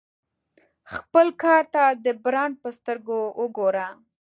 خپل کار ته د برانډ په سترګه وګوره.